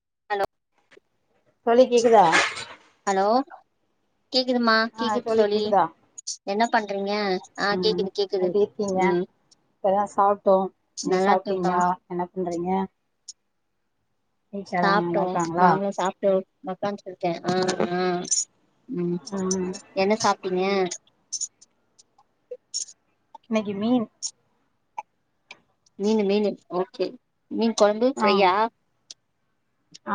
[inaudible] தோழி கேக்குதா ஹலோ கேக்குதுமா கேக்குது தோழி என்ன பண்றீங்க ஆ ம் கேக்குது கேக்குது எப்டி இருக்கீங்க ம் இப்பதா சாப்ட்டோ நீங்க நல்லா இருக்கேன்ப்பா சாப்ட்டீங்களா என்ன பண்ணுறீங்க சாப்ட்டோ நல்லா இருக்காங்களா நாங்களு சாப் [unintelligible] ஒக்காந்து இருக்கே அ அ ம் என்ன சாப்ட்டீங்க இன்னைக்கி மீன் மீனு மீனு ஒகே மீன்கொழம்பு ஆ ஃப்ரையா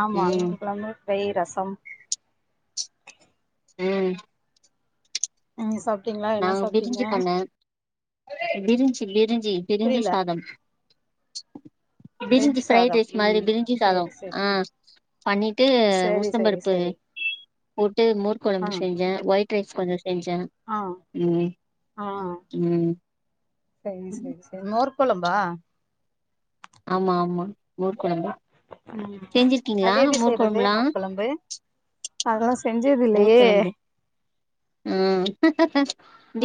ஆமா ம் மீன் கொழம்பு ஃபிரை ரசம் ம் நீங்க சாப்டீங்களா நாங்க பிரிஞ்சு பண்ணே பிரிஞ்சி பிரிஞ்சி பிரிஞ்சி புரியல சாதம் வெஜ் பிரிஞ்சி ஃபிரைட் சாதம் ரைஸ் மாரி ம் பிரிஞ்சி சேரி சாதம் சேரி அ பண்ணிட்டு சேரி சேரி உளுந்தபருப்பு சேரி போட்டு மோர் ஆ கொழம்பு செஞ்சே ஒய் ஒயிட் ரைஸ் கொஞ்சோ செஞ்ஜே ஆ ம் ஆ ம் மோர்க் கொழம்பா ஆமா ஆமா மோர் கொழம்பு ம் செஞ்சிருக்கிங்ளா அது எப்டி மோர் செய்றது கொழம்புல்லா மோர் கொழம்பு அதெல்லா செஞ்சதுல்லயே ம்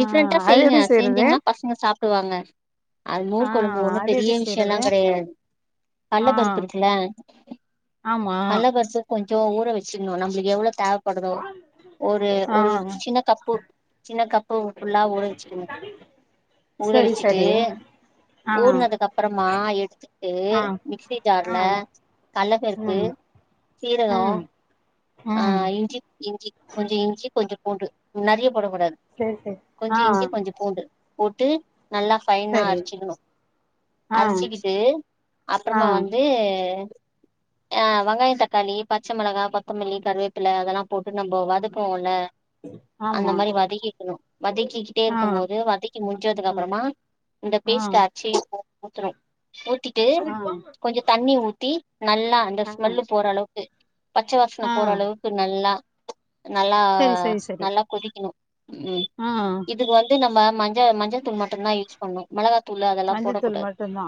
ஆ அது செய்ங்க எப்டி செய்றது செஞ்சிங்ன்னா பசங்க சாப்டுவாங்க அது ஆ மோர் கொழும்பு ம் ஒன்னு அது பெரிய எப்டி விஷயோல்லா செய்றது கெடையாது ஆ கல்லப் பருப்பு இருக்குல ஆமா கல்ல பருச கொஞ்சோ ஊற வச்சின்னோ நம்மளுக்கு எவ்ளோ தேவப்படுதோ ஒரு ஆ ஒரு சின்ன கப்பு சின்ன கப்பு ஃபுல்லா ஊற வச்சிக்கனோ ஊற சரி வச்சிட்டு சரி ஆ ஊறுனதுக்கு அப்றமா எடுத்துட்டு ஆ மிக்ஸி ஆ ஜார்ல கல்லப்பருப்பு ம் சீரகோ ம் அ ம் இஞ்சி இஞ்சி கொஞ்சோ இஞ்சி கொஞ்சோ பூண்டு நெறைய போடக்கூடாது சரி சரி கொஞ்சோ ஆ இஞ்சி கொஞ்சோ பூண்டு போட்டு நல்லா ஃபைனா சரி அரிச்சிக்கனோ ஆ அரிச்சிக்கிட்டு ஆ அப்றமா வந்து அ வெங்காயோ தக்காளி பச்ச மெளகா கொத்தமல்லி கருவேப்பில அதெல்லா போட்டு நம்ம வதப்போல அந்த ஆமா மாரி வதக்கிக்கணு வதக்கி ட்டே ஆ இருக்கு போது வதக்கி முடிஞ்சதுக்கு ஆ அப்றமா இந்த ஆ பேஸ்ட் அரச்சி ஊத்தனு ஊத்தி ட்டு ஆ கொஞ்சோ தண்ணி ஊத்தி நல்லா அந்த ஸ்மெல்லு போற அளவுக்கு பச்ச வாச [unintelligible] ஆ போற அளவுக்கு நல்லா நல்லா சரி சரி சரி நல்லா கொதிக்கனு ம் ம் ஆ இதுக்கு வந்து நம்ப மஞ்ச மஞ்சத்தூள் மட்டுந்தா யூஸ் பண்ணோ மெளகாத்தூளு அதெல்லா மஞ்சத்தூள் போடக்கூடாது மட்டுந்தா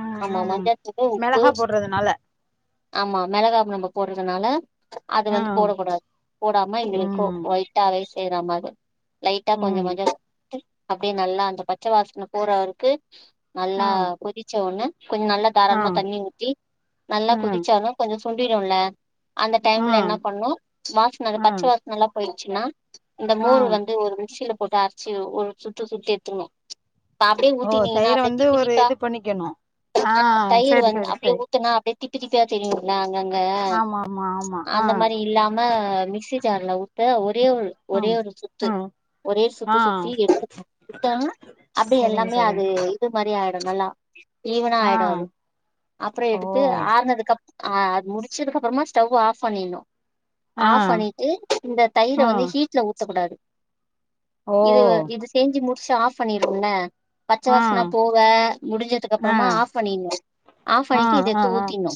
ம் ஆமா ம் மஞ்சாத்தூளு உப்பு மெளகா போடுறதுனால ஆமா மெளகா நம்ப போறதுனால அது ஆ வந்து போடக்கூடாது போடாம எங்களுக்கோ ம் ஒய்ட்டா ரைஸ் செய்றா மாரி லைட்டா கொஞ்சோ ம் கொஞ்சோ அப்டியே நல்லா அந்த பச்ச வாசன போறவருக்கு நல்லா ஆ கொதிச்ச ஒன்ன கொஞ்சோ நல்லா ஆ தாராளமா ம் தண்ணி ஊத்தி நல்லா ஆ கொதிச்சாலு கொஞ்சோ சுண்டிடுல்ல அந்த டைம்ல என்ன பண்ணோ வாசன அந்த ஆ பச்ச வா நல்லா போய்ருச்சுன்னா இந்த ஆ மோர் வந்து ஒரு மிக்சில போட்டு அரச்சு ஒரு சுத்து சுத்தி எத்துக்குனு இப்ப அப்டியே ஓ ஊத்தினிங்கன்னா தயிர அப்டியே வந்து திப்பு ஒரு திப்பா இது பண்ணிக்கணு ஆ அ தயிர் சரி வந்து சரி அப்டியே சரி ஊத்துனா அப்டியே திட்டு திட்டா தெரியுல அங்கங்க ஆமா ஆமா ஆம் அந்த மாரி இல்லாம மிக்சி ஜார்ல உட்டு ஒரே ஒரு ஒரே ம் ஒரு சுத்து ம் ஒரே ஆ சுத்து சுத்தி எடுத்துன்னு சுத்தனா அப்டி சரிங்க எல்லாமே சரிங்க அது இது மாரி ஆய்டு நல்லா ஈவனா ஆ ஆய்டு அது அப்றோ ஓ எடுத்து ஆறுனதுக்கு அப் அது முடிச்சதுக்கு அப்றமா ஸ்டவ் ஆஃப் பண்ணின்னோ ஆ ஆஃப் பண்ணிட்டு இந்த தயிர ஆ வந்து ஹீட்ல ஊத்தக்கூடாது ஓ இத இது செஞ்சு முடிச்சு ஆஃப் பண்ணிறோல்ல பச்ச ஆ வாசன போக முடிஞ்சதுக்கு ஆ அப்றமா ஆஃப் பண்ணின்னு ஆஃப் ஆ பண்ணிட்டு இத ஆ எடுத்து ஆ ஊத்தின்னு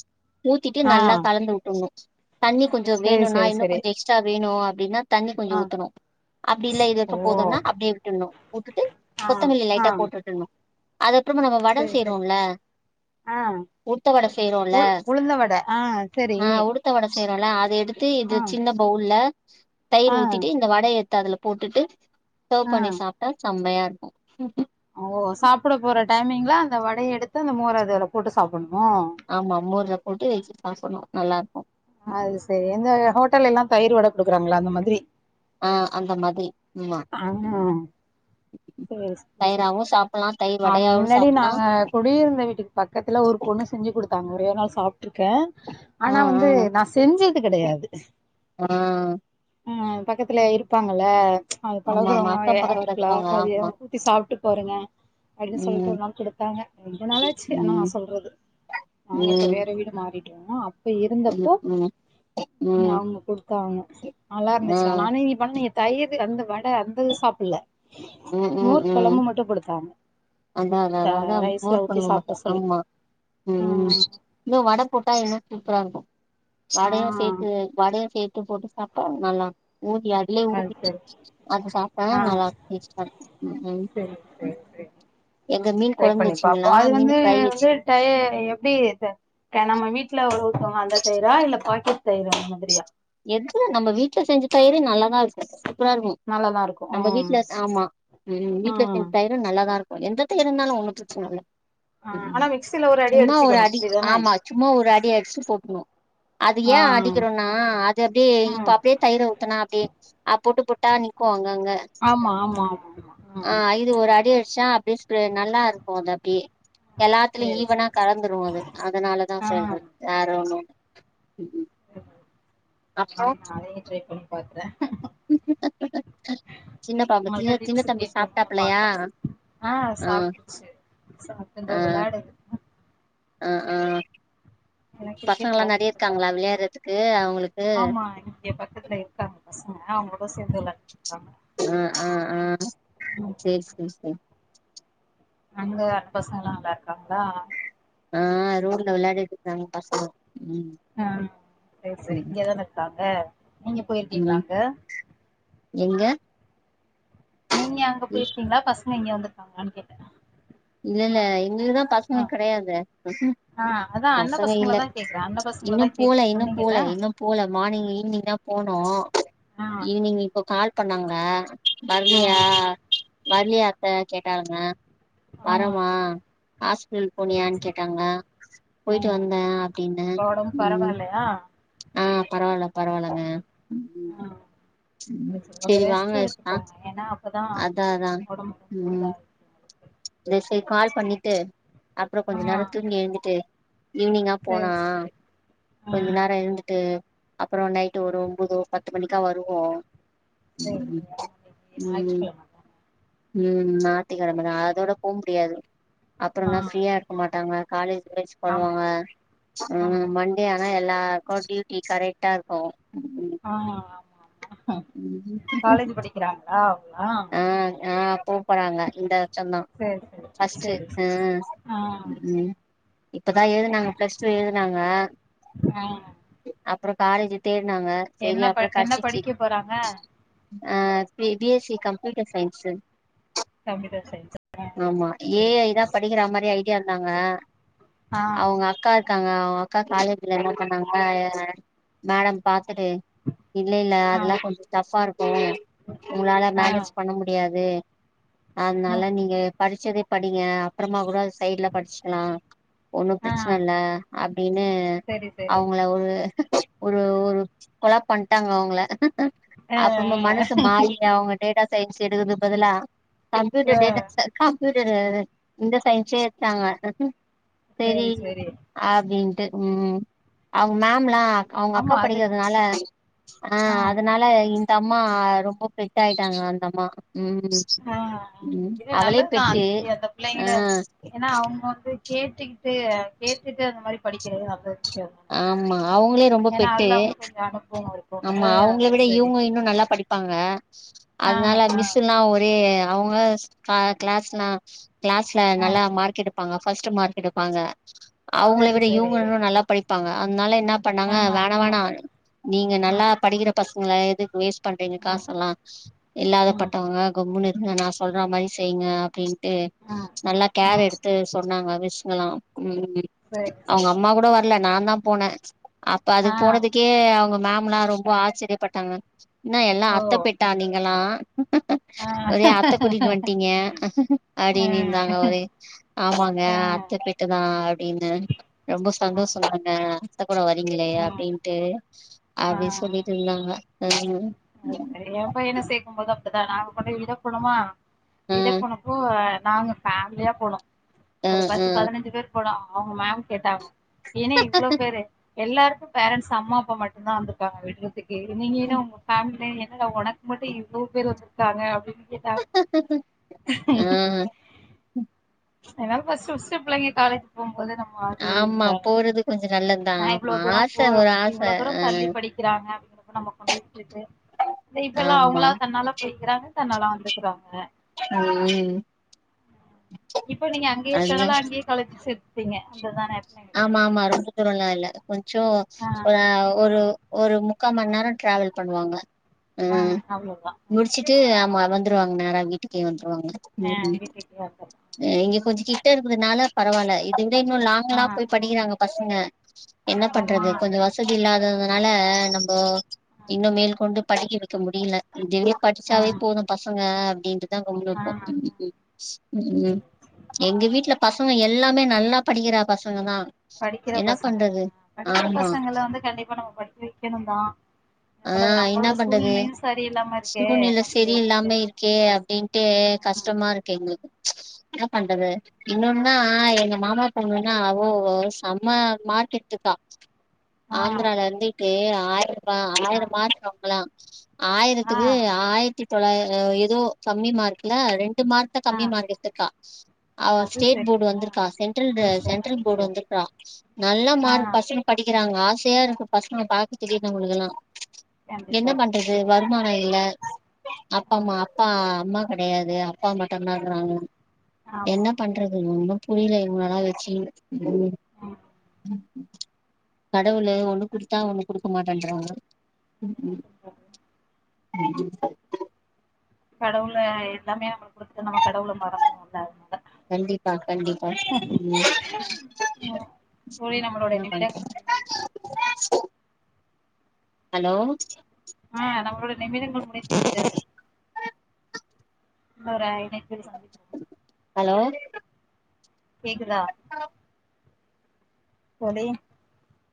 ஊத்திட்டு ஆ நல்லா கலந்து உட் டுனு தண்ணி கொஞ்சோ சரி வேணுன்னா சரி இன்னோ சரி கொஞ்சோ எக்ஸ்ட்ரா வேணு அப்டின்னா தண்ணி கொஞ்சோ ஆ ஊத்துனோ அப்டி இல்ல ஓ இதுவரைக்கு போதுனா அப்டியே விட்டுன்னு உட்டுட்டு ஆ கொத்தமல்லி ஆ லைட்டா போட்டு விட்டுன்னு அது அப்றோமா நம்ம வட சரி சரி செய்றோல ஆ உளுத்த வட செய்றோல உ உளுந்த வட ஆ சரி அ உடுத்த வட செய்றோல்ல அத எடுத்து ஆ இது சின்ன பவுல்ல தயிர் ஆ ஊத்திட்டு இங் இந்த வட எத்து அதுல போட்டுட்டு சர்வ் ஆ பண்ணி சாப்ட்டா சம்மையா இருக்கு ஓ சாப்ட போற டைமிங்ல அந்த வடய எடுத்து அந்த மோரதுல போட்டு சாப்பண்ணுமோ ஆமா மோர்ல போட்டு வெச்சு சாப்பண்ணு நல்லா இருக்கோ அது செரி இந்த ஹோட்டல்லேலா தயிரு வட குடுக்குறாங்களா அந்த மாதிரி ஆ அந்த மாதிரி ஆமா ஆ சரி சரி சரி தயிராவு சாப்புல்லா தைர் வடையாவு சாப்புல்லாம் குடி இருந்த வீட்டுக்கு பக்கத்துல ஒரு பொண்ணு செஞ்சி குடுத்தாங்க ஒரே ஒரு நாள் சாப் இருக்கே ஆ ஆனா ஆ வந்து நா செஞ்சது கடையாது ஆ ஆ பக்கத்துல இருப்பாங்கள்ல அது ஆமா ஆமா பழகுறவங்க அக்கம் அவ பக்கத்துல இருக்குல இருக்கவங்க அதுய ஆமா ஊத்தி சாப்ட்டு பாருங்க அப்டின் ம் சொல்ட்டு ஒரு நாள் குடுத்தாங்க ரொம்ப நாளாச்சு ஆனா ம் சொல்றது நாங்க இப்ப ம் வேற வீடு மாறிட் ஆ ப ம் இருந்தப்போ ம் ம் அவுங்க குடுத்தாங்க நல்லா ஆ இருந்துச்சா நானு இங்க பண்ண எத் தயிரு அந்த வட அந்த இது சாப்புல்ல ம் மோர் கொழம்பு மட்டு குடுத்தாங்க அத்தா அத்த ஆ அத்த அதா ரைஸ்ல மோர் ஊத்தி கொழம்பு சாப்பிட மட்டு சொல்லி ஆமா ஆ ம் இன்னோ வட போட்டா இன்னு சூப்பரா இருக்கு ஆ வடையு சேத்து வடையு சேத்து போட்டு சாப்ட்டா நல்லா ஊதி அதுலயே அது ஊறி சரி அத சாப்ட்டாதா ஆ நல்லா [unintelligible] ம் ம் சரி சரி சரி எங்க மீன் ட்ரை கொழம்பு பண்ணி பாப்போ வெச்சிங்களா அது மீன் வந்து ஃபிரை வெச்சு [unintelligible] எப்டி இது நம்ம வீட்ல ஒரு ஊத்தவங்க அந்த தயிரா இல்ல பாக்கெட் தயிரா அந்த மாதிரியா எதுல நம்ம வீட்ல செஞ்ச தயிரே நல்லாதா இருக்கு சூப்ரா இருகு நல்லாதா இருக்கு நம்ம ம் வீட்ல ஆமா ம் வீட்ல செஞ்ச தயிர் நல்ல தா இருக்கு எந்த தயிரு இருந்தாலு ஒண்ணு பிரச்சனல்ல ஆ ஆனா மிக்சில ஒரு அடி சும்மா ஒரு அடிச்சுக்கணு அடி அப்டிதானே ஆமா சும்மா ஒரு அடி அடிச்சு போட்டுணு அது ஏ ஆ ம் அடிக்கிறோண்ணா இது அப்டியே இப்ப அப்டியே தயிர ஊத்தனா அப்டியே அ பொட்டு பொட்டா நி்க்கு அங்க அங்க ஆமா ஆமா ஆமா ஆமா ஆ ம் இது ஒரு அடி அடிச்சா அப்டி நல்லா இருக்கு அது அப்டி எல்லாத்துலயு சேரி ஈவனா சேரி சேரி கல உந்துரு அது அதனால தா ஆ சொல்றது வேர ஒண்ணு இல்ல ம் நாளைக்கு நா அதையு ட்ரை பண்ணி பாக்கறே [inaudible] சின்னப்பாம்புகி உங்கள்ட்ட சின்ன டிப்ஸ் தம்பி கேட்போம்னு சாப்ட்டாப்பலையா பாக்கலா ஆ சாப்டு இந்தோ வெளாடுது அ ஆ எல்லா கிரிக்கெட் பசங்களா நெறைய விளையாடிட்டு இருக்கா இருக்காங்களா விளையாறுதுக்கு அவ்ங்குளுக்கு ஆமா இங்க பக்கத்துல இருக்காங்க பசங்க அவங்களோட சேந்து வெளாடு அ ஆ ஆ ம் சேர் சேரி சேரி அங்க அ பசங்கல்லா நல்லா இருக்காங்களா ஆ ரோட்ல வெளையாடிட்டு இருக்காங்க பசங்க ம் ம் செரி செரி ம் இங்கதான இருக்காங்க நீங்க போயிருக்கீங்களா ம் அங்க எங்க நீங்க அங்க போயிருக்கீங்களா பசங்க இங்க வந்திருக்காங்களானு கேட்டே இல்ல இல்ல எங்களுக்கு தா பசங்க ஆ கெடையாதே ஆ அதா அண்ண பசக பசங்கள இல்ல தா கேக்குறே அண்ண பசங்கள இன்னு தா பூல கேக்குன்னு இன்னு பூல சொன்னீங்கல்ல இன்னும் போல மார்னிங் ஈவினிங் தா போனு ஆ ஈவினிங் இப்போ கால் பண்ணாங்க ஆ வரலயா வரலயா அத்த கேட்டாங்க ஆ வரமா ஹாஸ்பிடல் சரி போனியான்னு சரி கேட்டாங்க ஆ போயிட்டு வந்தே அப்டினே இப்ப ஒடம்பு ம் பரவால்லையா ஆ பரவால்ல பரவால்லங்க ம் ஆ ம் கொஞ்சொ செரி ரெஸ்ட்ட் வாங்க எடுத்துக்கோங்க ஏன்னா அப்பதா அதா அதா ஒடம்புக்கு கொஞ்சோ ம் இதா இருக் கால் பண்ணிட்டு அப்ரோ ஆ கொஞ்ச நேரோ தூங்கி எழுந்துட்டு ஈவினிங்கா சரி போலா சரி கொஞ்ச ம் நேரோ இருந்துட்டு அப்பரோ நைட்டு ஒரு ஒம்போது பத்து மணிக்கா வருவோ சரி ம் சரி ஆமா இன்னைக்கு ம் ஞாயிற்றுக்கிழம தான ம் ஞாயிட்டுகெழம தா அதோட போக முடியாது ஆ அப்றம்னா ஃப்ரீயா இருக்க மாட்டாங்க காலேஜ் ஆமா பனுவாங்க ஆமா ம் ஆனா எல்லாருக்கு டியூட்டி கரெக்டா இருக்கு ஆ ஆமா ஆமா காலேஜ் படிக்கிறாங்களா அவங்களா ஆ ஆ கூப்பறாங்க இந்த சொந்தே சரி சரி பஸ்ட்டு சரி சரி ஆ உ ம் இப்பதா எழுதுனாங்க பிளஸ் டூ எழுதுனாங்க ஆ அப்ரோ காலேஜ் தேட்னாங்க என்ன ப என்ன படிக்க போறாங்க அ B B S C computer science computer சயின்சா ஆமா ஏ ஐ தா படிக்கிறா மாரி ஐடியா இருந்தாங்க ஆ அவுங்க அக்கா க்காங்க அவுங்க அக்கா காலேஜ்ல என்ன பண்ணாங்க மேடம் பாத்துட்டு இல்ல இல்ல ஆ அதெல்லா கொஞ்சொ டஃபா இருக்கூ உங்களால ஆ மேனேஜ் பண்ண முடியாது அதனால நீங்க படிச்சதே படிங்க அப்பறமா கூட சைட்ல படிச்சுக்கலா ஒண்ணும் ஆ பிரச்சனல்ல அப்டின்னு செரி செரி அவுங்கள ஒரு ஒரு ஒரு கொள பண்ட்டாங்க அவுங்கள ஆ அப்புறமா மனசு மாரி அவுங்க டேட்டா சயின்ஸ் எடுக்குது பதிலா ஆ கம்ப்யூட்டர் டேட்டா சயி கம்ப்யூட்டரு இந்த சயின்ஸே எடுத்தாங்க செரி அப்டின்ட்டு ம் அவுங்க மேம்ல்லா அவுங்க அக்கா ஆமா அது படிக்கிறதுனால ஆ அதனால இந்த அம்மா ரொம்ப பெட் ஆயிட்டாங்க அந்த அம்மா ம் ஆ ம் இது அவளே நல்லதுதா பெட்டு அந்த அந்த ஆ பிள்ளைங்கள ஏன்னா அவுங்க வந்து கேட்டுக்கிட்டு கேட்டுட்டு அந்த மாரி படிக்கிறது நல்ல விஷயந்தான ஆமா அவுங்ளே ரொம்ப பெட்டு அனுபவோ இருக்கும்ல ஆமா ஆ அவுங்ள அது விட சரி இவுங்க இன்னு நல்லா படி ப்பாங்க ஆ அதனால ஆ மிஸ்ஸின்லா ஒரே அவுங்க க்ளாஸ்னா க்ளாஸ்ல ஆ நல்லா மார்க் எடுப்பாங்க ஃபஸ்ட்டு மார்க் எடுப்பாங்க அவுங்கள செரி விட செரி இவுங்கன்னூ நல்லா ப்பாங்க அதனால என்னா பண்ணாங்க ஆ வேண ஆ வேணா நீங்க ஆ நல்லா படிக்கிற பசங்கள எதுக்கு வேஸ் பண்றீங்க ஆ காசல்லா ம் இல்லாதப்பட்டவங்க கம்முன்னு இருங்க நா சொல்றா ம் மாரி செய்ங்க அப்படின் ட்டு ஆ நல்லா ஆ கேர் எடுத்து சொன்னாங்க மிஸ்ங்கலா ம் ம் ம் சரி அவுங்க சரி அம்மா கூட வர்ல நா தா போன அப்ப ஆ அதுக்கு போனதுக்கு க்கே அவுங்க மேம்ல்லா ரொம்ப ஆச்சரியப்பட்டாங்க என்னா எல்லா ஓ அத்த பெட் டா நீங்களா ஆ ஆ ஒரே அத்த கூட்டிட்டு வந்ட் ட்டீங்க ஆ அப்டின்னிந்தாங்க ஒரே ஆமாங்க ஆ அத்த பெட்டு தா அப்டின்னு ரொம்ப சந்தோஷ சொல்றாங்க அத்ந கூட வரீங்களே அப்டின் ட்டு ஆ அப்டின் சொல்லிட்டு இருந்தாங்க அது சரி என் பையனை சேக்கும்போது அப்டிதா நாங்க கொண்டு விட போணமா ஆ விட போணப்போ நாங்க ஃபேமிலியா போனோ ஆ ஒரு ஆ பத்து பதினஞ்சு பேர் போனோ அவுங்க மேம் கேட்டாங்க ஏன்னா இவ்ளோ பேரு எல்லாருக்கும் பேரண்ட்ஸ் அம்மா அப்பா மட்டுந்தா வந்திருக்காங்க விட்றதுக்கு நீங்க என்ன உங்க ஃபேம்லில என்னடா ஒனக்கு மட்டு இவ்ளோ பேர் வந்திருக்காங்க அப்டின்னு கேட்டா ஆ [inaudible] என்னால ஃபஸ்ட்டு ஃபஸ்ட்டு புள்ளைங்க காலேஜ் போம்போது நம்ம ஆறுதல் ஆமா தானே போறது கொஞ்சோ நல்லதுதா நா இவ்ளோ ஆமா தூரொ ஆச போ ஒரு ஆச இவ்ளோ தூரொ ஆ தள்ளி படிக்கிறாங்க அப்டிங்கற நம்ம கொண்டே விட்டுட்டு இப்ப எல்லா ஆமா அவுங்களா தன்னால போய்க்கிறாங்க தன்னால வந்துக்குறாங்க ம் இப்ப நீங்க அங்கேய அதுதா தங்னாலா அங்கேயே காலேஜ் சேத்துட்டீங்க அததானே ஆமா ஆமா ரொம்ப தூரொல்லா இல்ல கொஞ்சோ ஆ ஒரு ஒரு ஒரு முக்கா மண் நேரொ ட்ராவல் பண்ணுவாங்க ஆ ம் அவ்ளோதா முடிச்சிட்டு ஆமா வந்துருவங்க நேரா வீட்டுக்கே வந்துருவாங்க அ ம் வீட்டுக்கே வந்துருவாங்க இங்க கொஞ்ச கிட்ட இருக்கறனால பரவால்ல இத விட இன்னு லாங்லா ஆ போய் படிக்கிறாங்க பசங்க என்ன ஆமா பண்றது கொஞ்சொ வச வசதி ஆமா இல்லாததுனால ஆமா நம்ப இன்னு மேல் கொண்டு படிக்கி வைக்க முடியில இதுவே ஆ படிச்சாவே போது பசங்க அப்டின்ட்டுதா கம்முனு ஆ இருப்போ ஆ ம் எங்க வீட்ல பசங்க எல்லாமே நல்லா படிக்கிறா பசங்கதா படிக்கிற பசங்க படிக்கிற பசங்கள வந்து கண்டிப்பா நம்ம படிக்க வைக்கணுந்தா என்னா ஆ பண்றது என்ன நம்பளோட பண்றது சூழ்நிலையு சரி இல்லாம இருக்கே என்னா செய்யறது கே அப்டின்டு கஷ்டமா இருக்கு எங்ளுக்கு என்னா பண்றது இன்னொன்தா எங்க மாமா பொண்ணு நா ஓ செம்ம மார்க்கெட்டுக்கா ஆ ஆந்ரால இருந்துட்டு ஆயிர ஆ ஆயிர மார்க அவங்களா ஆ ஆயிரத்துக்கு ஆயிரத்தி தொலா ஏதோ கம்மி மார்க்ல ரெண்டு மார்க் ஆ கம்மி மார்க் எடுத்துர்க்கா அது ஸ்டேட் சரி போர்டு ஆ வந்திருக்கா நல்ல சென்ட்ரல்டு விஷயோ நல்ல போர்டு விஷயோ வந்துர்க்கா நல்ல ஆ மார்க் பஸ் படிக்கிறாங்க ஆசையா இருக்கு பசங்க பாக்கத்துக்கே நம்புளுக்குல்லா என்ன கண்டிப்பா பண்றது து கண்டிப்பா வருமான இல்ல அப்பம்மா ஆமா அப்பா அம்மா கெடையாது அப்பா மட்டும்தான்றாங்க ஆமா என்ன ஆமா பண்றது ஒன்னு புரில இவங்கல்லா வச்சு அ கடவுளு ஒண்ணு குடுத்தா ஒன்னு குடுக்க மாட்டேன்றாங்க என்ன பண்றது தேங்யூ சார் கடவுள எல்லாமே நம்ளுக் குடுத்து நம்ம கடவுள மறந்துறுவோல்ல அதனால கண்டிப்பா கண்டிப்பா ம் ம் தோழி நம்மளோட என்னா பன்றது நிமிடங்கள் ஹலோ ஆ நம்ளோட நிமிடங்கள் முடிந்து விட்டது இன்னொரு அ இணையத்தில் சந்திப்போ ஹலோ கேக்குதா செரி